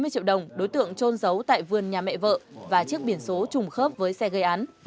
năm trăm bốn mươi triệu đồng đối tượng trôn giấu tại vườn nhà mẹ vợ và chiếc biển số trùng khớp với xe gây án